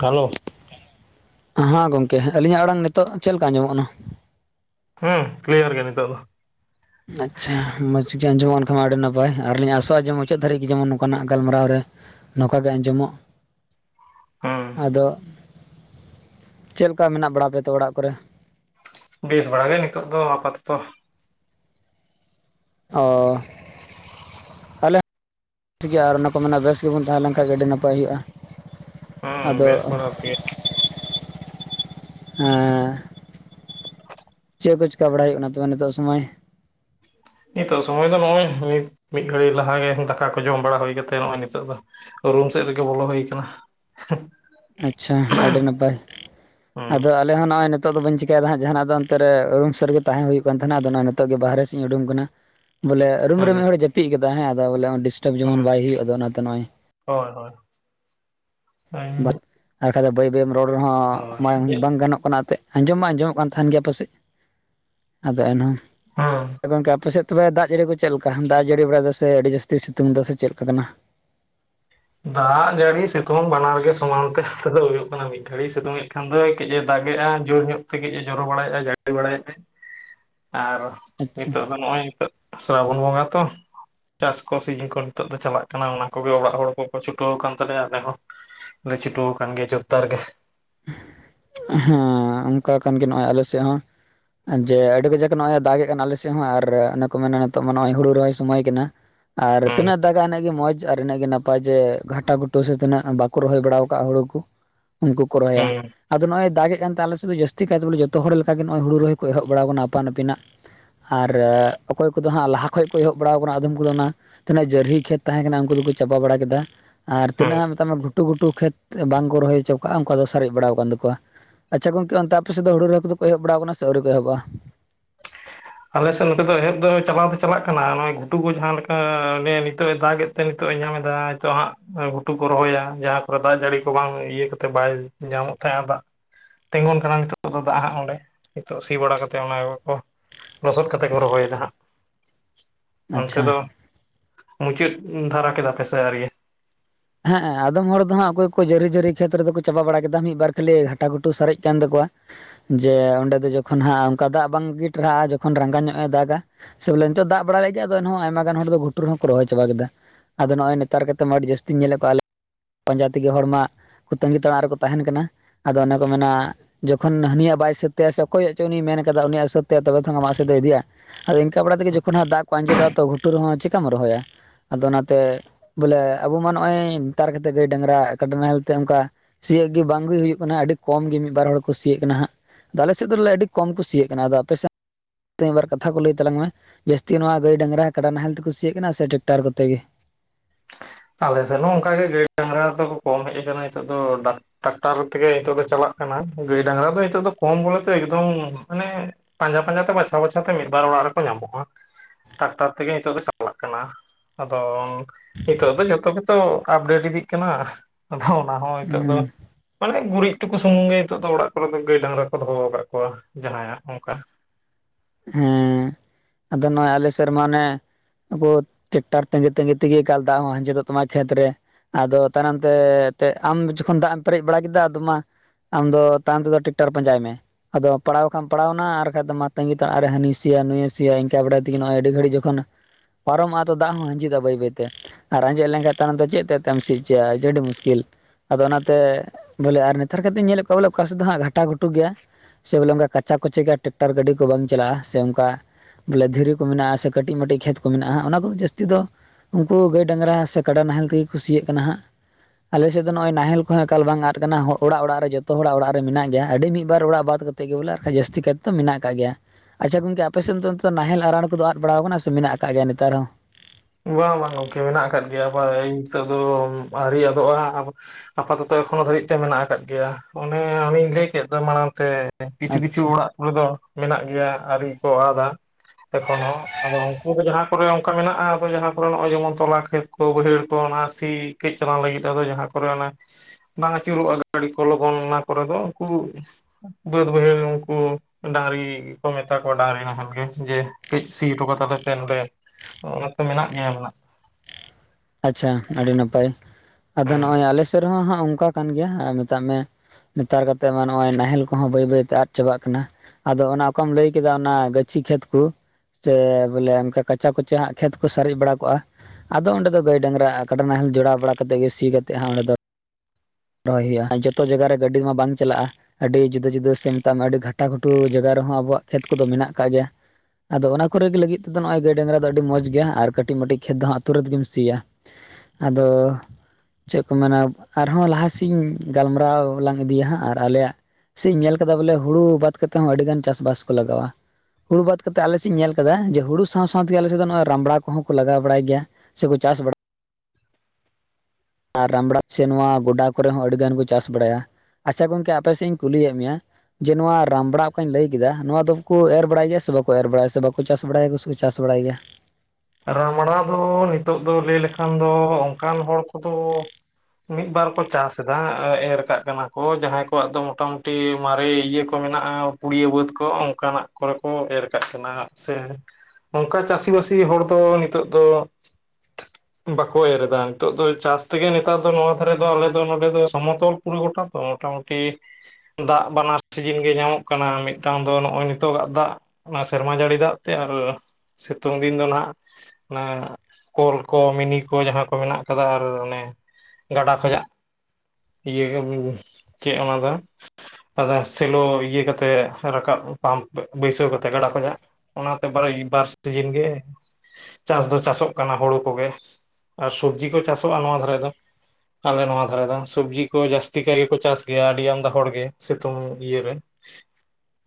ᱠᱟᱞᱳ ᱾ ᱦᱮᱸ, ᱜᱚᱝᱠᱮ, ᱟᱞᱤᱧᱟᱜ ᱟᱲᱟᱝ ᱱᱤᱛᱚᱜ, ᱪᱮᱫ ᱞᱮᱠᱟ ᱟᱸᱡᱚᱢᱚᱜ ᱠᱟᱱᱟ ᱾ ᱦᱩᱸᱻ, ᱠᱤᱞᱭᱟᱨ ᱜᱮ, ᱱᱤᱛᱚᱜ ᱫᱚ ᱾ ᱟᱪᱪᱷᱟ! ᱢᱚᱡᱽ ᱜᱮ ᱟᱸᱡᱚᱢᱚᱜ ᱮᱰᱮᱠᱷᱟᱱ, ᱢᱟ ᱟᱹᱰᱤ ᱱᱟᱯᱟᱭ, ᱟᱨᱞᱤᱧ ᱟᱥᱚᱜ-ᱟ, ᱡᱮ ᱢᱩᱪᱟᱹᱫ ᱫᱷᱟᱹᱨᱤᱡ ᱜᱮ, ᱡᱮᱢᱚᱱ ᱱᱚᱝᱠᱟᱱᱟᱜ, ᱜᱟᱞᱢᱟᱨᱟᱣ ᱨᱮ ᱱᱚᱝᱠᱟ ᱜᱮ ᱟᱸᱡᱚᱢᱚᱜ ᱾ ᱦᱩᱸ ᱟᱫᱚ, ᱪᱮᱫ ᱞᱮᱠᱟ ᱢᱮᱱᱟᱜ, ᱵᱟᱲᱟ ᱯᱮᱭᱟ ᱛᱚ, ᱚᱲᱟᱜ ᱠᱚᱨᱮ? ᱵᱮᱥ ᱵᱟᱲᱟ ᱜᱮ, ᱱᱤᱛᱚᱜ ᱫᱚ, ᱟᱯᱟ ᱛᱚᱛᱚ ᱾ ᱚᱻ ᱾ ᱴᱷᱤᱠ ᱜᱮᱭᱟ, ᱟᱨᱦᱚ ᱚᱱᱟ ᱠᱚ ᱢᱮᱱᱟ, ᱵᱮᱥ ᱜᱮᱵᱚᱱ ᱛᱟᱦᱮᱸᱞᱮᱱᱠᱷᱟᱱ ᱜᱮ, ᱟᱹᱰᱤ ᱱᱟᱯᱟᱭ ᱦᱩᱭᱩᱜ-ᱟ, ᱦᱩᱸ ᱟᱫᱚ ᱵᱮᱥ [unintelligible] ᱵᱟᱲᱟ ᱛᱮᱜᱮ ᱦᱮᱸᱻ ᱾ ᱪᱮᱫ ᱠᱚ? ᱪᱮᱠᱟ ᱵᱟᱲᱟ ᱦᱩᱭᱩᱜ ᱠᱟᱱᱟ, ᱛᱚᱵᱮ, ᱱᱤᱛᱚᱜ ᱥᱚᱢᱚᱭ ᱱᱤᱛᱚᱜ ᱥᱚᱢᱚᱭ ᱫᱚ, ᱱᱚᱜ-ᱚᱭ, ᱱᱤᱛ, ᱢᱤᱫ ᱜᱷᱟᱹᱲᱤᱡ ᱞᱟᱦᱟ ᱜᱮ, ᱫᱟᱠᱟ ᱠᱚ, ᱡᱚᱢ ᱵᱟᱲᱟ ᱦᱩᱭ ᱠᱟᱛᱮᱫ, ᱱᱚᱜ-ᱚᱭ ᱱᱤᱛᱚᱜ ᱫᱚ ᱨᱩᱢ ᱥᱮᱫ ᱨᱮᱜᱮ, ᱵᱚᱞᱚ ᱦᱩᱭ ᱟᱠᱟᱱᱟ ᱾ ᱦᱩᱸᱜ ᱟᱪᱪᱷᱟ, ᱟᱹᱰᱤ ᱱᱟᱯᱟᱭ ᱾ ᱦᱩᱸ ᱟᱫᱚ, ᱟᱞᱮ ᱦᱚᱸ ᱱᱚᱜᱼᱚᱭ, ᱱᱤᱛᱚᱜ ᱫᱚ ᱵᱟᱹᱧ ᱪᱤᱠᱟᱹᱭᱮᱫᱟ ᱦᱟᱸᱜ, ᱡᱟᱦᱟᱱᱟᱜ ᱫᱚ, ᱚᱱᱛᱮ ᱨᱩᱢ ᱥᱮᱜ, ᱨᱮ ᱜᱮ ᱛᱟᱦᱮᱸ ᱦᱩᱭᱩᱜ ᱠᱟᱱ, ᱛᱟᱦᱮᱱᱟ, ᱟᱫᱚ ᱱᱤᱛᱚᱜ ᱜᱮ, ᱵᱟᱦᱨᱮ ᱥᱮᱫᱤᱧ ᱩᱰᱩᱝ ᱟᱠᱟᱱᱟ ᱾ ᱵᱚᱞᱮ, ᱨᱩᱢ ᱨᱮ ᱦᱩᱸ ᱢᱤᱫ ᱦᱚᱲ ᱮ, ᱡᱟᱹᱯᱤᱫ ᱟᱠᱟᱫᱟᱭ ᱦᱮᱸ, ᱟᱫᱚ ᱵᱚᱞᱮ, ᱰᱤᱥᱴᱟᱵᱽ ᱡᱮᱢᱚᱱ ᱦᱩᱸ ᱵᱟᱭ ᱦᱩᱭᱩᱜᱼᱟ, ᱚᱱᱟᱛᱮ ᱱᱚᱜᱼᱚᱭ ᱦᱳᱭ ᱦᱳᱭ, ᱾ ᱵᱟᱪ, ᱟᱨ ᱵᱟᱠᱷᱟᱡ ᱫᱚ, ᱵᱟᱹᱭ ᱵᱟᱹᱭ ᱮᱢ, ᱨᱚᱲ ᱦᱳᱭ ᱨᱮᱦᱚᱸ, ᱵᱟᱝ ᱜᱟᱱᱚᱜ ᱠᱟᱱᱟ ᱾ ᱮᱱᱛᱮᱫ ᱟᱸᱡᱚᱢ ᱢᱟ, ᱟᱸᱡᱚᱢᱚᱜ ᱠᱟᱱ ᱛᱟᱦᱮᱱ ᱜᱮᱭᱟ, ᱯᱟᱥᱮᱫ ᱟᱫᱚ, ᱮᱱᱦᱚᱸ, ᱦᱚᱸᱻ ᱾ ᱛᱚ, ᱜᱚᱝᱠᱮ, ᱟᱯᱮ ᱥᱮᱫ ᱛᱚᱵᱮ ᱫᱟᱜ ᱡᱟᱹᱲᱤ ᱠᱚ, ᱪᱮᱫ ᱞᱮᱠᱟ? ᱫᱟᱜ ᱡᱟᱹᱲᱤ ᱵᱟᱲᱟᱭ ᱮᱫᱟ ᱥᱮ, ᱟᱹᱰᱤ ᱡᱟᱹᱥᱛᱤ ᱥᱤᱛᱩᱝ ᱮᱫᱟ ᱥᱮ, ᱪᱮᱫ ᱞᱮᱠᱟ ᱠᱟᱱᱟ ᱫᱟᱜ ᱡᱟᱹᱲᱤ, ᱥᱤᱛᱩᱝ ᱵᱟᱱᱟᱨ ᱜᱮ, ᱥᱚᱢᱟᱱ ᱛᱮ, ᱫᱚ ᱦᱩᱭᱩᱜ ᱠᱟᱱᱟ ᱾ ᱢᱤᱫ ᱜᱷᱟᱹᱲᱤᱭ ᱥᱤᱛᱩᱝ ᱮᱫ, ᱠᱷᱟᱱ ᱫᱚ ᱠᱟᱹᱡᱼᱮ ᱫᱟᱜᱮᱜᱼᱟ ᱡᱳᱨ ᱧᱚᱜ ᱛᱮ, ᱠᱟᱹᱡᱼᱮ, ᱡᱚᱨᱚ ᱵᱟᱲᱟᱭᱮᱫᱼᱟ, ᱡᱟᱹᱲᱤ ᱵᱟᱲᱟᱭᱮᱫᱼᱟ, ᱟᱨ ᱟᱪᱪᱷᱟ ᱱᱤᱛᱚᱜ ᱫᱚ, ᱱᱚᱜᱼᱚᱭ, ᱥᱚᱨᱟᱵᱚᱱ ᱵᱚᱸᱜᱟ ᱛᱚ, ᱪᱟᱥ ᱠᱚ ᱥᱤᱡᱤᱱ ᱠᱚ, ᱱᱤᱛᱚᱜ ᱫᱚ ᱪᱟᱞᱟᱜ ᱠᱟᱱᱟ ᱾ ᱚᱱᱟ ᱠᱚᱜᱮ, ᱚᱲᱟᱜ ᱦᱚᱲ ᱠᱚ ᱪᱷᱩᱴᱟᱹᱣ ᱟᱠᱟᱱ ᱛᱟᱞᱮᱭᱟ, ᱟᱞᱮ ᱦᱚᱸ ᱞᱮ, ᱪᱷᱩᱴᱟᱹᱣ ᱟᱠᱟᱱ ᱜᱮᱭᱟ, ᱡᱳᱫᱽᱼᱫᱟᱨ ᱜᱮ ᱮᱸᱼᱷᱮ, ᱚᱱᱠᱟ ᱠᱟᱱ ᱜᱮ, ᱱᱚᱜᱼᱚᱭ ᱟᱞᱮ ᱥᱮᱫ ᱦᱚᱸ ᱡᱮ, ᱟᱹᱰᱤ ᱠᱟᱡᱟᱠ ᱱᱚᱜᱼᱚᱭ, ᱫᱟᱜ ᱮ ᱠᱟᱱᱟ, ᱟᱞᱮ ᱥᱮᱫ ᱦᱚᱸ, ᱟᱨ ᱚᱱᱮ ᱠᱚ ᱢᱮᱱᱟ, ᱱᱤᱛᱚᱜ ᱢᱟ ᱱᱚᱜᱼᱚᱭ ᱦᱩᱲᱩ ᱨᱚᱦᱚᱭ, ᱥᱚᱢᱚᱭ ᱠᱟᱱᱟ ᱾ ᱟᱨ ᱦᱩᱸ ᱛᱤᱱᱟᱹᱜ, ᱫᱟᱜᱽ ᱪ [unintelligible] ᱤᱱᱟᱹᱜ ᱜᱮ ᱢᱚᱸᱡᱽ ᱟᱨ, ᱤᱱᱟᱹᱜ ᱜᱮ, ᱱᱟᱯᱟᱭ ᱡᱮ, ᱜᱷᱟᱴᱟ ᱜᱩᱴᱩ ᱥᱮ, ᱛᱤᱱᱟᱹᱜ ᱵᱟᱠᱚ, ᱨᱚᱦᱚᱭ ᱵᱟᱲᱟ ᱟᱠᱟᱟᱜ, ᱦᱩᱲᱩ ᱠᱚ ᱩᱱᱠᱩ ᱠᱚ, ᱨᱚᱦᱚᱭᱟ ᱦᱩᱸ ᱾ ᱟᱫᱚ, ᱱᱚᱜᱼᱚᱭ ᱫᱟᱜ ᱮᱫ ᱠᱟᱱᱛᱮ, ᱟᱞᱮ ᱥᱮᱫ ᱫᱚ, ᱡᱟᱹᱥᱛᱤ ᱠᱟᱭᱛᱮ, ᱵᱚᱞᱮ ᱡᱚᱛᱚ ᱦᱚᱲ ᱞᱮᱠᱟ ᱜᱮ, ᱱᱚᱜᱼᱚᱭ ᱦᱩᱲᱩ ᱨᱚᱦᱚᱭ ᱠᱚ, ᱮᱦᱚᱵ ᱵᱟᱲᱟ ᱟᱠᱟᱣᱟᱱᱟ, ᱟᱯᱟᱱ ᱟᱹᱯᱤᱱᱟᱜ ᱾ ᱟᱨ, ᱚᱠᱚᱭ ᱠᱚᱫᱚ ᱦᱟᱸᱜ, ᱞᱟᱦᱟ ᱠᱷᱚᱡ ᱠᱚ, ᱮᱦᱚᱵ ᱵᱟᱲᱟᱣ ᱟᱠᱟᱣᱟᱱᱟ, ᱟᱫᱚᱢ ᱠᱚᱫᱚ, ᱚᱱᱟ ᱛᱤᱱᱟᱹᱜ, ᱡᱟᱹᱨᱦᱤ ᱠᱷᱮᱛ ᱛᱟᱦᱮᱸ ᱠᱟᱱᱟ, ᱩᱱᱠᱩ ᱫᱚᱠᱚ, ᱪᱟᱵᱟ ᱵᱟᱲᱟ ᱠᱮᱫᱟ ᱾ ᱟᱨ, ᱦᱩᱸ ᱛᱤᱱᱟᱹᱜ ᱦᱟᱜ, ᱢᱮᱛᱟᱜ ᱢᱮ ᱜᱷᱩᱴᱩ, ᱜᱷᱩᱴᱤ, ᱠᱷᱮᱛ ᱵᱟᱝ ᱠᱚ, ᱨᱚᱦᱚᱭ ᱦᱚᱪᱚ ᱟᱠᱟᱜᱼᱟ ᱾ ᱚᱠᱟ ᱫᱚ, ᱥᱟᱨᱮᱡ ᱵᱟᱲᱟ, ᱟᱠᱟᱱ ᱛᱟᱠᱚᱣᱟ ᱾ ᱟᱪᱪᱷᱟ ᱜᱚᱝᱠᱮ, ᱟᱯᱮ ᱚᱱᱛᱮ ᱫᱚ, ᱦᱩᱲᱩ ᱨᱚᱦᱚᱭ ᱫᱚᱠᱚ, ᱮᱦᱚᱵ ᱵᱟᱲᱟ ᱟᱠᱟᱣᱟᱱᱟ ᱥᱮ, ᱟᱹᱣᱨᱤ ᱠᱚ ᱮᱦᱚᱵᱼᱟ ᱾ ᱟᱞᱮᱥᱮᱫ ᱱᱚᱛᱮ ᱫᱚ, ᱮᱦᱚᱵ ᱫᱚ, ᱪᱟᱞᱟᱣ ᱫᱚ, ᱪᱟᱞᱟᱜ ᱠᱟᱱᱟ ᱱᱚᱜᱼᱚᱭ, ᱜᱷᱩᱴᱩ ᱠᱚ, ᱡᱟᱦᱟᱸᱞᱮᱠᱟ, ᱱᱤᱛᱚᱜ ᱮ ᱫᱟᱜ ᱮᱫ ᱱᱤᱛᱚᱜ ᱮ ᱧᱟᱢ ᱮᱫᱟ, ᱱᱤᱛᱚᱜ ᱦᱟᱸᱜ ᱜᱷᱩᱴᱩ ᱠᱚ ᱨᱚᱦᱚᱭᱟ ᱡᱟᱦᱟᱸ ᱠᱚᱨᱮ ᱫᱟᱜ ᱡᱟᱹᱲᱤ ᱠᱚ ᱵᱟᱝ ᱤᱭᱟᱹ ᱠᱟᱛᱮᱫ ᱵᱟᱭ ᱧᱟᱢᱚᱜ ᱛᱟᱦᱮᱜᱼᱟ ᱫᱟᱜ ᱾ ᱛᱤᱸᱜᱩᱱ ᱠᱟᱱᱟ ᱱᱤᱛᱚᱜ ᱫᱚ ᱫᱟᱜ ᱦᱟᱸᱜ ᱚᱸᱰᱮ ᱱᱤᱛᱚᱜ ᱥᱤ ᱵᱟᱲᱟ ᱠᱟᱛᱮᱫ ᱚᱱᱟ ᱜᱮᱠᱚᱼᱼ ᱞᱚᱥᱚᱫ ᱠᱟᱛᱮ ᱠᱚ ᱨᱚᱦᱚᱭᱮᱫᱟ ᱦᱟᱸᱜ ᱟᱪᱪᱷᱟ ᱚᱱᱛᱮ ᱫᱚᱼᱼ ᱢᱩᱪᱟᱹᱫ ᱫᱷᱟᱨᱟ ᱠᱮᱫᱟ ᱯᱮᱥᱮ ᱟᱹᱣᱨᱤᱭᱟ? ᱦᱮᱸ ᱮ ᱟᱫᱚᱢ ᱦᱚᱲ ᱫᱚ ᱦᱟᱸᱜ ᱚᱠᱚᱭ ᱠᱚ ᱡᱟᱹᱨᱤ ᱡᱟᱹᱨᱤ ᱠᱷᱮᱛ ᱨᱮᱫᱚᱠᱚ ᱪᱟᱵᱟ ᱵᱟᱲᱟ ᱠᱮᱫᱟ ᱢᱤᱫ ᱵᱟᱨ ᱠᱷᱟᱹᱞᱤ ᱜᱷᱟᱴᱟ ᱜᱷᱩᱴᱩ ᱥᱟᱨᱮᱡ ᱠᱟᱱ ᱛᱟᱠᱚᱣᱟ ᱾ ᱡᱮ ᱚᱸᱰᱮ ᱫᱚ ᱡᱚᱠᱷᱚᱱ ᱦᱟᱸᱜ ᱚᱱᱠᱟ ᱫᱟᱜ ᱵᱟᱝ ᱜᱤ ᱴᱨᱟᱜ-ᱟ ᱡᱚᱠᱷᱚᱱ ᱨᱟᱸᱜᱟ ᱧᱚᱜᱼᱮ ᱫᱟᱜᱟᱼᱼ ᱥᱮ ᱵᱚᱞᱮ ᱱᱤᱛᱚᱜ ᱫᱟᱜ ᱵᱟᱲᱟᱭᱮᱫ ᱜᱮᱭᱟ ᱟᱫᱚ ᱮᱱᱦᱚᱸ ᱟᱭᱢᱟ ᱜᱟᱱ ᱦᱚᱲ ᱜᱩᱴᱩᱨ ᱦᱚᱸᱠᱚ ᱨᱚᱦᱚᱭ ᱪᱟᱵᱟ ᱠᱮᱫᱟ ᱾ ᱟᱫᱚ ᱱᱚᱜᱼᱚᱭ ᱱᱮᱛᱟᱨ ᱠᱟᱛᱮ ᱢᱟ ᱟᱹᱰᱤ ᱡᱟᱹᱥᱛᱤᱧ ᱧᱮᱞᱮᱫ ᱠᱚᱣᱟ ᱯᱟᱸᱡᱟ ᱛᱮᱜᱮ ᱦᱚᱲ ᱢᱟᱼᱼ ᱛᱟᱹᱜᱤ ᱛᱟᱲᱟ ᱨᱮᱠᱚ ᱛᱟᱦᱮᱱ ᱠᱟᱱᱟ, ᱟᱫᱚ ᱚᱱᱮ ᱠᱚ ᱢᱮᱱᱟᱼᱼ ᱡᱚᱠᱷᱚᱱ ᱦᱟᱹᱱᱤᱭᱟᱜ ᱵᱟᱭ ᱥᱟᱹᱛ ᱛᱟᱭᱟ ᱥᱮ ᱚᱠᱚᱭᱟᱜ ᱪᱚᱭ ᱩᱱᱤᱤᱭ ᱢᱮᱱ ᱠᱟᱫᱟ ᱩᱱᱤᱭᱟᱜ ᱥᱟᱹᱛ ᱛᱟᱭᱟ, ᱛᱚᱵᱮ ᱛᱚ ᱟᱢᱟᱜ ᱥᱟᱹᱛ ᱮ ᱤᱫᱤᱭᱟ ᱾ ᱟᱫᱚ ᱤᱱᱠᱟ ᱵᱟᱲᱟ ᱛᱮᱜᱮ ᱡᱚᱠᱷᱚᱱᱟᱸᱜ ᱫᱟᱜ ᱠᱚ ᱟᱸᱡᱮᱫᱚᱜ-ᱟ ᱜᱷᱩᱴᱩ ᱨᱮᱦᱚᱸ ᱪᱤᱠᱟᱢ ᱨᱚᱦᱚᱭᱟ ᱾ ᱟᱫᱚ ᱚᱱᱟᱛᱮ, ᱵᱚᱞᱮ ᱟᱵᱚ ᱢᱟ ᱱᱚᱜᱼᱚᱭ ᱱᱮᱛᱟᱨ ᱜᱮᱛᱚ ᱜᱟᱹᱭ ᱰᱟᱝᱨᱟ ᱚᱠᱟᱫᱚᱢ ᱦᱚᱛᱮ ᱛᱮ ᱚᱱᱠᱟᱼᱼ ᱥᱤᱭᱳᱜ ᱜᱮ ᱵᱟᱝᱜᱮ ᱦᱩᱭᱩᱜ ᱠᱟᱱᱟ ᱟᱹᱰᱤ ᱠᱚᱢ ᱜᱮ ᱢᱤᱫ ᱵᱟᱨ ᱦᱚᱲ ᱠᱚ ᱥᱤᱭᱳᱜ ᱠᱟᱱᱟ ᱦᱟᱸᱜ ᱾ ᱟᱞᱮ ᱥᱮᱫ ᱫᱚ ᱮ ᱟᱹᱰᱤ ᱠᱚᱢ ᱠᱚ ᱥᱤᱭᱳᱜ ᱠᱟᱱᱟ ᱾ ᱟᱯᱮ ᱥᱮᱫ? ᱡᱤᱫ ᱵᱟᱨ ᱠᱟᱛᱷᱟ ᱠᱚ ᱞᱟᱹᱭ ᱛᱟᱞᱟᱝ ᱢᱮ, ᱡᱟᱹᱥᱛᱤ ᱱᱚᱣᱟ ᱜᱟᱹᱭ ᱰᱟᱝᱨᱟ ᱠᱟᱰᱟ ᱱᱟᱦᱮᱞ ᱛᱮ ᱠᱩ ᱥᱤᱭᱩᱜ ᱠᱟᱱᱟ ᱥᱮ ᱴᱨᱟᱠᱴᱟᱨ ᱠᱚᱛᱮ ᱜᱮ ᱾ ᱟᱞᱮ ᱥᱮᱫ ᱚᱱᱠᱟᱜ ᱜᱮ ᱜᱟᱹᱭ ᱰᱟᱝᱨᱟ ᱫᱚᱠᱚ ᱠᱚᱢ ᱦᱮᱡ ᱟᱠᱟᱱᱟ ᱱᱤᱛᱚᱜ ᱫᱚ ᱰᱟᱼᱼ ᱴᱨᱟᱠᱴᱟᱨ ᱛᱮᱜᱮ ᱱᱤᱛᱚᱜ ᱫᱚ ᱪᱟᱞᱟᱜ ᱠᱟᱱᱟ, ᱜᱟᱹᱭ ᱰᱟᱝᱨᱟ ᱫᱚ ᱱᱤᱛᱚᱜ ᱫᱚ ᱠᱚᱢ ᱵᱚᱞᱮᱛᱮ ᱮᱠᱫᱚᱢ ᱢᱟᱱᱮᱼᱼ ᱯᱟᱸᱡᱟ ᱯᱟᱸᱡᱟ ᱛᱮ ᱵᱟᱪᱷᱟᱣ ᱵᱟᱪᱷᱟᱣᱛᱮ ᱢᱤᱫ ᱵᱟᱨ ᱚᱲᱟᱜ ᱨᱮᱠᱚ ᱧᱟᱢᱚᱜᱼᱟ ᱾ ᱴᱟᱠᱴᱟᱨ ᱛᱮᱜᱮ ᱱᱤᱛᱚᱜ ᱫᱚ ᱪᱟᱞᱟᱜ ᱠᱟᱱᱟ ᱾ ᱟᱫᱚᱼᱼ ᱱᱤᱛᱚᱜ ᱫᱚ ᱡᱚᱛᱚ ᱜᱮᱛᱚ ᱟᱯᱰᱮᱴ ᱤᱫᱤᱜ ᱠᱟᱱᱟ, ᱟᱫᱚ ᱚᱱᱟ ᱦᱚᱸ ᱱᱤᱛᱚᱜ ᱦᱮᱸ ᱫᱚᱼᱼ ᱢᱟᱱᱮ ᱜᱩᱨᱤᱡ ᱴᱩᱠᱩ ᱥᱩᱢᱩᱝ ᱜᱮ ᱱᱤᱛᱚᱜ ᱫᱚ ᱚᱲᱟᱜ ᱠᱚᱨᱮ ᱫᱚ ᱜᱟᱹᱭ ᱰᱟᱝᱨᱟ ᱠᱚ ᱫᱚᱦᱚ ᱟᱠᱟᱫ ᱠᱚᱣᱟ ᱡᱟᱦᱟᱭᱟᱜ ᱚᱱᱠᱟ ᱾ ᱦᱮᱸ ᱟᱫᱚ ᱱᱚᱜᱼᱚᱭ ᱟᱞᱮ ᱥᱮᱫ ᱨᱮᱢᱟ ᱚᱱᱮᱼᱼ ᱵᱟᱹᱫᱽ ᱴᱮᱨᱟᱠᱴᱟᱨ ᱛᱟᱹᱜᱤ ᱛᱟᱹᱜᱤ ᱛᱮᱜᱮ ᱛᱟᱦᱞᱮ ᱫᱟᱜ ᱦᱚᱸ ᱟᱸᱡᱮᱫᱚᱜ ᱛᱟᱢᱟ ᱠᱷᱮᱛ ᱨᱮ ᱾ ᱟᱫᱚ ᱛᱟᱭᱱᱚᱢ ᱛᱮ ᱮᱱᱛᱮᱫ ᱟᱢ ᱡᱚᱠᱷᱚᱱ ᱫᱟᱜ ᱮᱢ ᱯᱮᱨᱮᱡ ᱵᱟᱲᱟ ᱠᱮᱫᱟ ᱟᱫᱚ ᱢᱟᱼᱼ ᱟᱢᱫᱚ ᱛᱟᱭᱚᱢ ᱛᱮᱫᱚ ᱴᱮᱤᱠᱴᱟᱨ ᱯᱟᱸᱡᱟᱭ ᱢᱮ, ᱟᱫᱚ ᱯᱟᱲᱟᱣ ᱠᱷᱟᱱ ᱯᱟᱲᱟᱣ ᱮᱱᱟ ᱟᱨ ᱵᱟᱠᱷᱟᱱ ᱫᱚ ᱢᱟᱼᱼ ᱛᱟᱝᱜᱤ ᱛᱟᱲᱟᱜ ᱨᱮ ᱦᱟᱹᱱᱤ ᱥᱮᱭᱟ ᱱᱩᱭᱮ ᱥᱮᱭᱟ ᱤᱱᱠᱟ ᱵᱟᱲᱟ ᱛᱮᱜᱮ ᱱᱚᱜᱼᱚᱭ ᱟᱹᱰᱤ ᱜᱷᱟᱹᱲᱤᱡ ᱡᱚᱠᱷᱚᱱᱼᱼ ᱯᱟᱨᱚᱢᱚᱜ ᱟᱛᱚ ᱫᱟᱜ ᱦᱚᱸ ᱟᱸᱡᱤᱫᱟ ᱵᱟᱹᱭ ᱵᱟᱹᱭ ᱛᱮ ᱾ ᱟᱨᱟᱸᱡᱮᱫ ᱞᱮᱱ ᱠᱷᱟᱱ ᱛᱟᱭᱚᱢ ᱪᱮᱫ ᱛᱮᱜᱛᱮᱢ ᱥᱤ ᱦᱚᱪᱚᱭᱟ ᱟᱹᱰᱤ ᱢᱩᱥᱠᱤᱞ ᱾ ᱟᱫᱚ ᱚᱱᱟᱛᱮ ᱵᱚᱞᱮ ᱱᱮᱛᱟᱨ ᱠᱟ, ᱴᱤᱢ ᱤᱧ ᱧᱮᱞᱮᱫ ᱠᱚᱣᱟ ᱵᱚᱞᱮ ᱚᱠᱟ ᱥᱮᱫ ᱫᱚ ᱦᱟᱸᱜ ᱜᱷᱟᱴᱟ ᱜᱷᱩᱴᱩ ᱜᱮᱭᱟ ᱾ ᱥᱮ ᱵᱚᱞᱮ ᱚᱱᱠᱟ ᱠᱟᱪᱷᱟ ᱠᱚᱪᱮ ᱜᱮᱭᱟ ᱴᱮᱠᱴᱟᱨ ᱜᱟᱺᱰᱤ ᱠᱚ ᱵᱟᱝ ᱪᱟᱞᱟᱜᱼᱟ, ᱥᱮ ᱚᱱᱠᱟᱼᱼ ᱵᱚᱞᱮ ᱫᱷᱤᱨᱤ ᱠᱚ ᱢᱮᱱᱟᱜᱼᱟ ᱥᱮ ᱠᱟᱹᱴᱤᱡ ᱢᱟᱹᱴᱤᱡ ᱠᱷᱮᱛ ᱠᱚ ᱢᱮᱱᱟᱜᱼᱟ, ᱚᱱᱟ ᱠᱷᱚᱱ ᱡᱟᱹᱥᱛᱤ ᱫᱚᱼᱼ ᱩᱱᱠᱩ ᱜᱟᱹᱭ ᱰᱟᱝᱨᱟ ᱥᱮ ᱠᱟᱰᱟ ᱱᱟᱦᱮᱞ ᱛᱮᱜᱮ ᱠᱩ ᱥᱤᱭᱟᱜ ᱠᱟᱱᱟ ᱦᱟᱸᱜ ᱾ ᱟᱞᱮ ᱥᱮᱫ ᱫᱚ ᱱᱚᱜᱼᱚᱭ ᱱᱟᱦᱮᱞ ᱠᱚᱦᱚᱸ ᱮᱠᱟᱞ ᱵᱟᱝ ᱟᱫ ᱟᱠᱟᱱᱟ, ᱚᱲᱟᱜ ᱚᱲᱟᱜ ᱨᱮ ᱡᱚᱛᱚ ᱦᱚᱲᱟᱜ ᱚᱲᱟᱜ ᱨᱮ ᱢᱮᱱᱟᱜ ᱜᱮᱭᱟ ᱟᱹᱰᱤ ᱢᱤᱫ ᱵᱟᱨ ᱚᱲᱟᱜ ᱵᱟᱫ ᱾ ᱛᱮᱜᱮ ᱵᱚᱞᱮ ᱟᱨ ᱡᱟᱹᱥᱛᱤ ᱠᱟᱭ ᱛᱚ ᱢᱮᱱᱟᱜ ᱟᱠᱟᱫ ᱜᱮᱭᱟ ᱾ ᱟᱪᱪᱷᱟ ᱜᱚᱝᱠᱮ ᱟᱯᱮ ᱥᱮᱫ ᱫᱚ ᱱᱟᱦᱮᱞ ᱟᱨᱟᱬ ᱠᱚᱫᱚ ᱟᱫ ᱵᱟᱲᱟᱣ ᱟᱠᱟᱱᱟ ᱥᱮ ᱢᱮᱱᱟᱜ ᱟᱠᱟᱫ ᱜᱮᱭᱟ ᱱᱮᱛᱟᱨ ᱦᱚᱸ? ᱤᱭᱟᱹᱠᱟᱜ ᱜᱮᱭᱟ ᱜᱚᱝᱠᱮ ᱢᱮᱱᱟᱜ ᱟᱠᱟᱫ ᱜᱮᱭᱟ ᱤᱭᱟ, ᱱᱤᱛᱚᱜ ᱫᱚ ᱟᱹᱨᱤ ᱟᱫᱚᱜᱼᱟ ᱾ ᱟᱯᱟᱛᱚᱛᱚ ᱮᱠᱷᱚᱱᱳ ᱫᱷᱟᱹᱨᱤᱡ ᱛᱮ ᱢᱮᱱᱟᱜ ᱟᱠᱟᱫ ᱜᱮᱭᱟ, ᱚᱱᱮ ᱩᱱᱤᱧ ᱞᱟᱹᱭ ᱠᱮᱫ ᱫᱚ ᱢᱟᱲᱟᱝ ᱛᱮ ᱾ ᱠᱤᱪᱷᱩ ᱠᱤᱪᱷᱩ ᱟᱪᱪᱷᱟ ᱚᱲᱟᱜ ᱠᱚᱨᱮ ᱫᱚ ᱢᱮᱱᱟᱜ ᱜᱮᱭᱟ ᱟᱹᱣᱨᱤ ᱠᱚ ᱟᱫᱟ ᱾ ᱮᱠᱷᱚᱱ ᱦᱚᱸ ᱟᱫᱚ ᱩᱱᱠᱩ ᱜᱮ ᱡᱟᱦᱟᱸ ᱠᱚᱨᱮ ᱚᱱᱠᱟ ᱢᱮᱱᱟᱜᱼᱟᱼᱼ ᱡᱟᱦᱟᱸ ᱠᱚᱨᱮ ᱱᱚᱜᱼᱚᱭ ᱡᱮᱢᱚᱱ ᱛᱚᱞᱟ ᱠᱷᱮᱛ ᱠᱚᱨᱮ ᱜᱤᱰᱤ ᱦᱩᱭᱩᱜ ᱛᱟᱢᱟᱱᱟᱜ ᱥᱤ ᱦᱩᱭ ᱠᱟᱹᱡ ᱪᱟᱞᱟᱝ ᱞᱟᱹᱜᱤᱫ ᱟᱫᱚ ᱡᱟᱦᱟᱸ ᱠᱚᱱᱳᱼᱼ ᱵᱟᱝ ᱟᱹᱪᱩᱨᱚᱜᱼᱟ ᱜᱟᱺᱰᱤ ᱠᱚ ᱞᱚᱜᱚᱱ ᱚᱱᱟ ᱠᱚᱨᱮ ᱫᱚ ᱩᱱᱠᱩ ᱵᱟᱹᱫᱽ ᱵᱟᱹᱭᱦᱟᱹᱲ ᱩᱱᱠᱩᱼᱼ ᱰᱟᱭᱨᱤ ᱠᱚ ᱦᱟᱛᱟᱣ ᱠᱚᱣᱟ ᱰᱟᱭᱨᱤ ᱱᱟᱦᱮᱞ ᱜᱮ ᱡᱮ ᱠᱟᱹᱡ ᱥᱤ ᱦᱚᱴᱚ ᱠᱟᱜ ᱛᱟᱠᱚ ᱯᱮ ᱱᱚᱰᱮ ᱾ ᱚᱱᱟ ᱠᱚ ᱢᱮᱱᱟᱜ ᱜᱮᱭᱟ ᱢᱮᱱᱟᱜ ᱾ ᱟᱪᱪᱷᱟ, ᱟᱹᱰᱤ ᱱᱟᱯᱟᱭ ᱟᱫᱚ ᱦᱮᱸ ᱱᱚᱜᱼᱚᱭ ᱟᱞᱮ ᱥᱮᱫ ᱨᱮᱦᱚᱸ ᱦᱟᱸᱜ ᱚᱱᱠᱟ ᱠᱟᱱ ᱜᱮᱭᱟ ᱢᱮᱛᱟᱜ ᱢᱮᱼᱼ ᱱᱮᱛᱟᱨ ᱠᱟᱛᱮᱜ ᱢᱟ ᱱᱚᱜᱼᱚᱭ ᱱᱟᱦᱮᱞ ᱠᱚᱦᱚᱸ ᱵᱟᱹᱭ ᱵᱟᱹᱭ ᱛᱮ ᱟᱫ ᱪᱟᱵᱟᱜ ᱠᱟᱱᱟ ᱾ ᱟᱫᱚ ᱚᱱᱟ ᱚᱠᱟᱢ ᱞᱟᱹᱭ ᱠᱮᱫᱟ ᱚᱱᱟ ᱜᱟᱹᱪᱷᱤ ᱠᱷᱮᱛ ᱠᱚ᱾ ᱥᱮ ᱵᱚᱞᱮ ᱚᱱᱠᱟ ᱠᱟᱪᱟ ᱠᱚᱪᱟ ᱦᱟᱜ ᱠᱷᱮᱛ ᱠᱚ ᱥᱟᱨᱮᱡ ᱵᱟᱲᱟ ᱠᱚᱜᱼᱟ ᱾ᱟᱫᱚ ᱚᱸᱰᱮ ᱫᱚ ᱜᱟᱹᱭ ᱰᱟᱽᱝᱨᱟ ᱟᱠᱟᱰᱟ ᱱᱟᱦᱮᱞ ᱡᱚᱲᱟᱣ ᱵᱟᱲᱟ ᱠᱟᱛᱮ ᱜᱮ ᱥᱤ ᱠᱟᱛᱮ ᱚᱸᱰᱮ ᱨᱚᱦᱚᱭ ᱦᱩᱭᱩᱜᱼᱟ ᱾ ᱡᱚᱛᱚ ᱡᱟᱭᱜᱟ ᱨᱮ ᱜᱟᱹᱰᱤ ᱢᱟ ᱵᱟᱝ ᱪᱟᱞᱟᱜᱼᱟ᱾ ᱟᱹᱰᱤ ᱡᱩᱫᱟᱹ ᱡᱩᱫᱟᱹ ᱥᱮ ᱢᱮᱛᱟᱜ ᱢᱮ ᱟᱹᱰᱤ ᱜᱷᱟᱴᱟ ᱜᱷᱩ ᱡᱟᱭᱜᱟ ᱨᱮ ᱦᱚᱸ ᱟᱵᱚᱣᱟᱜ ᱠᱷᱮᱛ ᱠᱚᱫᱚ ᱢᱮᱱᱟᱜ ᱟᱠᱟᱟᱜ ᱜᱮᱭᱟ᱾ ᱟᱫᱚ ᱚᱱᱟ ᱠᱚᱨᱮ ᱞᱟᱹᱜᱤᱫ ᱛᱮᱫᱚ ᱱᱚᱜᱚᱭ ᱜᱟᱹᱭ ᱰᱟᱽᱝᱨᱟ ᱫᱚ ᱟᱹᱰᱤ ᱢᱚᱸᱡᱽ ᱜᱮᱭᱟ ᱾ᱟᱨ ᱠᱟᱹᱴᱤᱡ ᱢᱴᱤᱡ ᱠᱷᱮᱛ ᱫᱚ ᱟ ᱟᱹᱛᱩᱳ ᱨᱮᱮᱫᱜᱮᱢ ᱥᱤᱭᱟ ᱟᱫᱚ ᱪᱮᱫ ᱠᱚ ᱢᱮᱱᱟ ᱟᱨᱦᱚᱸ ᱞᱟᱦᱟᱟᱥ ᱥᱤᱧ ᱜᱟᱞᱢᱟᱨᱟᱣ ᱞᱟᱝ ᱤᱫᱤᱭᱟ ᱦᱟᱸᱜ ᱟᱨ ᱟᱞᱮᱭᱟᱜ ᱪᱮᱫ ᱤᱧ ᱧᱮᱞ ᱠᱟᱫᱟ ᱵᱚᱞᱮ ᱦᱩᱲᱩ ᱵᱟᱫ ᱠᱟᱛᱮᱮᱫ ᱦᱚᱸ, ᱟᱹᱰᱤ ᱜᱟᱱ ᱪᱟᱥᱵᱟᱥ ᱠᱚ ᱞᱟᱜᱟᱣᱟ᱾ ᱦᱩᱲᱩ ᱵᱟ ᱠᱟᱛᱮᱮᱫ ᱟᱞᱮ ᱥᱮᱫ ᱤ ᱧᱮᱞ ᱟᱠᱟᱫᱟ᱾ ᱡᱮ ᱦᱩᱲᱩ ᱥᱟᱶᱛᱮ ᱥᱟᱶᱛᱮ ᱛᱮᱜᱮ ᱟᱞᱮ ᱥᱮᱫ ᱫᱚ ᱨᱟᱢᱵᱽᱲᱟ ᱠᱚᱼᱦᱚᱸ ᱠᱚ ᱞᱟᱜᱟᱣ ᱵᱟᱲᱟᱭ ᱜᱮᱭᱟ᱾ ᱥᱮ ᱠᱚ ᱪᱟᱥ ᱵᱟᱲᱟᱜ ᱟᱨ ᱨᱟᱢᱲᱟ ᱥᱮ ᱱᱚᱣᱟ ᱜᱚᱰᱟ ᱠᱚᱨᱮ ᱦᱚᱸ ᱟᱹᱰᱤ ᱜᱟᱱ ᱠᱚ ᱪᱟᱥ ᱵᱟᱲᱟᱭᱟ᱾ ᱟᱪᱪᱷᱟ ᱜᱚᱝᱠᱮ ᱟᱯᱮ ᱥᱮᱫ ᱤᱧ ᱠᱩᱞᱤᱭᱮᱫ ᱢᱮᱭᱟ᱾ ᱡᱮ ᱱᱚᱣᱟ ᱨᱟᱢᱵᱲᱟ ᱚᱠᱟᱧ ᱞᱟᱹᱭ ᱠᱮᱫᱟ ᱱᱚᱶᱟ ᱫᱚᱠᱚ ᱮᱨ ᱵᱟᱲᱟᱭ ᱜᱮᱭᱟ ᱾ᱥᱮ ᱵᱟᱠᱚ ᱮᱨ ᱵᱟᱲᱟᱭᱟ ᱥᱮ ᱵᱟᱠᱚ ᱪᱟᱥ ᱵᱟᱲᱟᱭᱟ? ᱪᱟᱥ ᱵᱟᱲᱟᱭ ᱜᱮᱭᱟ ᱨᱟᱢᱲᱟ ᱫᱚ ᱱᱤᱛᱚᱜ ᱫᱚ ᱞᱟᱹᱭ ᱞᱮᱠᱷᱟᱱ ᱫᱚ ᱚᱱᱠᱟᱱ ᱦᱚᱲ ᱠᱚᱫᱚ ᱢᱤᱫᱵᱟᱨ ᱠᱚ ᱪᱟᱥ ᱮᱫᱟ, ᱮᱨ ᱠᱟᱜ ᱠᱟᱱᱟ ᱠᱚ ᱡᱟᱦᱟᱸᱭ ᱠᱚᱣᱟᱜ ᱫᱚ ᱢᱚᱴᱟᱢᱩᱴᱤ ᱢᱟᱨᱮ ᱤᱭᱟᱹ ᱠᱚ ᱠᱚ ᱢᱮᱱᱟᱜᱼᱟ ᱯᱲᱤᱭᱟᱹ ᱵᱟᱹᱫᱽ ᱠᱚ, ᱚᱱᱠᱟᱱᱟᱜ ᱠᱚᱨᱮ ᱠᱚ ᱮᱨ ᱠᱟᱜ ᱠᱟᱱᱟ ᱥᱮ ᱚᱱᱠᱟ ᱪᱟᱹᱥᱤ ᱵᱟᱹᱥᱤ ᱦᱚᱲ ᱫᱚ ᱱᱤᱛᱚᱜ ᱫᱚ [inaudible] ᱵᱟᱠᱚ ᱮᱨ ᱮᱟ, ᱱᱤᱛᱚᱜ ᱫᱚ ᱪᱟᱥ ᱛᱮᱜᱮ ᱱᱮᱛᱟᱨ ᱫᱚ ᱱᱚᱣᱟ ᱫᱷᱟᱨᱮ ᱫᱚ ᱟᱞᱮᱫᱚ ᱱᱚᱰᱮ ᱫᱚ ᱥᱚᱢᱚᱛᱚᱞ ᱠᱩᱲᱤ ᱜᱚᱴᱟ ᱛᱚ ᱢᱳᱴᱟᱢᱩᱴᱤᱼᱼ ᱫᱟᱜ ᱵᱟᱱᱟᱨ ᱥᱤᱡᱤᱱ ᱜᱮ ᱧᱟᱢᱚᱜ ᱠᱟᱱᱟ᱾ ᱢᱤᱫᱴᱟᱝ ᱫᱚ ᱱᱚᱜᱼᱚᱭ ᱱᱤᱛᱚᱜᱟᱜ ᱫᱟᱜᱼᱼ ᱚᱱᱟ ᱥᱮᱨᱢᱟ ᱡᱟᱹᱲᱤ ᱫᱟᱜ ᱛᱮ ᱟᱨ ᱥᱤᱛᱩᱝ ᱫᱤᱱ ᱫᱚ ᱱᱟᱦᱟᱜᱼᱼ ᱮ ᱠᱚᱞ ᱠᱚ ᱢᱤᱱᱤ ᱠᱚ ᱡᱟᱦᱟᱸ ᱠᱚ ᱢᱮᱱᱟᱜ ᱠᱟᱫᱟ ᱟᱨ ᱚᱱᱮᱼᱼ ᱜᱟᱰᱟ ᱠᱷᱚᱱᱟᱜ ᱤᱭᱟᱹ ᱪᱮᱫ ᱚᱱᱟ ᱫᱚᱼᱺ? ᱟᱫᱚ ᱥᱮᱞᱚ ᱤᱭᱟᱹ ᱠᱟᱛᱮᱫ ᱨᱟᱠᱟᱵ ᱯᱟᱢᱯ ᱵᱟᱹᱭᱥᱟᱹᱣ ᱠᱟᱛᱮᱜ ᱜᱟᱰᱟ ᱠᱷᱚᱡᱟᱜᱼᱼ ᱚᱱᱟᱛᱮ ᱵᱟᱨᱮ ᱵᱟᱨ ᱥᱤᱡᱤᱱ ᱜᱮ ᱪᱟᱥ ᱫᱚ ᱪᱟᱥᱚᱜ ᱠᱟᱱᱟ ᱦᱩᱲᱩ ᱠᱚᱜᱮ, ᱟᱨ ᱥᱚᱵᱡᱤ ᱠᱚ ᱪᱟᱥᱚᱜᱼᱟ᱾ ᱱᱚᱣᱟ ᱫᱷᱟᱨᱮ ᱫᱚ ᱾ ᱟᱞᱮ ᱱᱚᱣᱟ ᱫᱷᱟᱨᱮ ᱫᱚ, ᱥᱚᱵᱡᱤ ᱠᱚ ᱡᱟᱹᱥᱛᱤ ᱠᱟᱭ ᱜᱮᱠᱚ ᱪᱟᱥ ᱜᱮᱭᱟ ᱟᱹᱰᱤ ᱟᱢᱫᱟ ᱾ᱦᱚᱲᱜᱮ ᱥᱤᱛᱩᱝ ᱤᱭᱟᱹᱨᱮᱼᱼ [inaudible]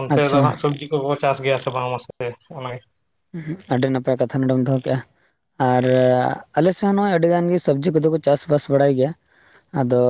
ᱚᱱᱛᱮ ᱫᱚ ᱟᱪᱪᱷᱟ ᱦᱟᱸᱜ ᱥᱚᱵᱽᱡᱤ ᱠᱚ ᱠᱚ ᱪᱟᱥ ᱜᱮᱭᱟ ᱥᱮ ᱵᱟᱝ ᱢᱟᱥᱮ ᱚᱱᱟᱜᱮ? ᱟᱹᱰᱤ ᱱᱟᱯᱟᱭ ᱠᱟᱛᱷᱟ ᱱᱚᱰᱮᱢ ᱫᱚᱦᱚ ᱠᱮᱫᱼᱟ? ᱟᱨ ᱟᱞᱮᱥᱮᱫ ᱦᱚᱸ ᱱᱚᱚᱭ ᱟᱹᱰᱤ ᱜᱟᱱ ᱜᱮ ᱥᱚᱵᱽᱡᱤ ᱠᱚᱼᱫᱚ ᱠᱚ ᱪᱟᱥ ᱵᱟᱟᱥ ᱵᱟᱲᱟᱭ ᱜᱮᱭᱟ ᱾ ᱟᱫᱚ